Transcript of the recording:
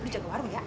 lo jaga warung ya